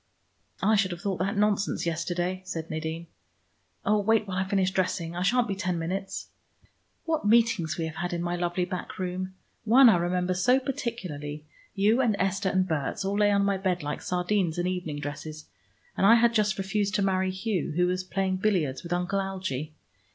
"I should have thought that nonsense yesterday," said Nadine. "Oh, wait while I finish dressing; I shan't be ten minutes. What meetings we have had in my lovely back room! One, I remember so particularly. You and Esther and Berts all lay on my bed like sardines in evening dresses, and I had just refused to marry Hugh, who was playing billiards with Uncle Algie.